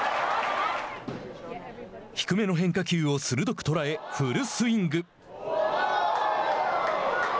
低めの変化球を鋭く捉えフルスイング。